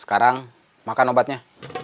sekarang makan obatnya